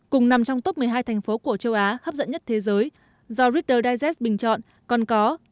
cùng nằm trong top một mươi hai thành phố của châu á hấp dẫn nhất thế giới do reader digest bình chọn còn có